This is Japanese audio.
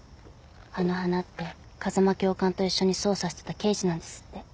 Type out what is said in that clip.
あの花って風間教官と一緒に捜査してた刑事なんですって。